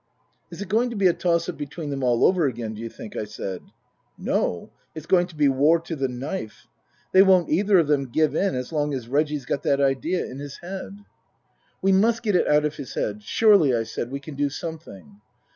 "Is it going to be a toss up between them all over again, d'you think ?" I said. " No. It's going to be war to the knife. They won't either of them give in as long as Reggie's got that idea in his head." Book II : Her Book 181 " We must get it out of his head. Surely," I said, " we can do something."